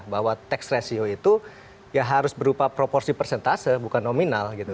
bahwa tax ratio itu ya harus berupa proporsi persentase bukan nominal gitu